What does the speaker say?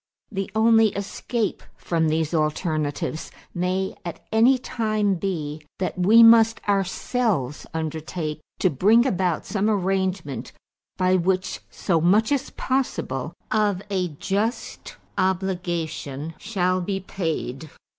The only escape from these alternatives may at any time be that we must ourselves undertake to bring about some arrangement by which so much as possible of a just obligation shall be paid."